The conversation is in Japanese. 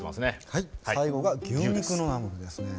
はい最後が牛肉のナムルですね。